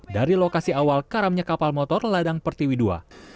dari lokasi awal karamnya kapal motor ladang pertiwi ii